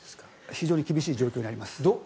非常に厳しい状況にあります。